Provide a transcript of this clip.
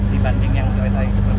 dibanding yang kereta yia express ini